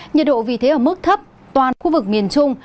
nhiệt độ vì thế ở mức thấp toàn khu vực miền trung